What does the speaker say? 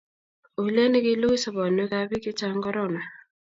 uliet ne kilugui sobonwekab biik che chang' corona